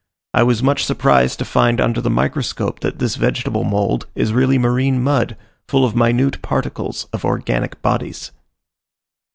I was much surprised to find under the microscope that this vegetable mould is really marine mud, full of minute particles of organic bodies.